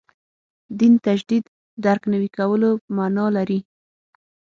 دین تجدید درک نوي کولو معنا لري.